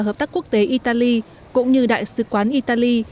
hợp tác quốc tế italy cũng như đại sứ quán italy